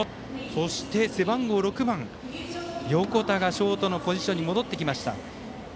そして、背番号６番横田がショートのポジションに戻ってきました。